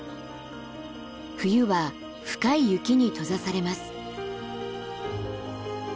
冬は深い雪に閉ざされます。